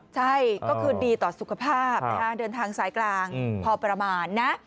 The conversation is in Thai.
ใช่ก็คือดีต่อสุขภาพเดินทางสายกลางพอประมาณนะ